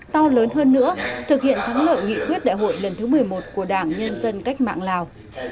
to lớn hơn nữa thực hiện thắng lợi nghị quyết đại hội lần thứ một mươi một của đảng nhân dân cách mạng lào